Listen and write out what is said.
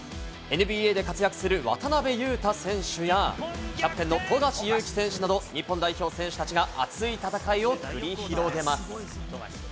ＮＢＡで活躍する渡邊雄太選手や、キャプテンの富樫勇樹選手など日本代表選手たちが熱い戦いを繰り広げます。